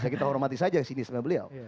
kita hormati saja sinisnya beliau